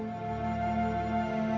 akhirnya siapkan juara ini